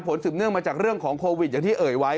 สืบเนื่องมาจากเรื่องของโควิดอย่างที่เอ่ยไว้